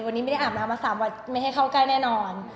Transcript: วันนี้ไม่ได้อาบน้ำมา๓วันไม่ให้เข้าใกล้แน่นอน